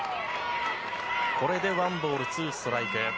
これでワンボールツーストライク。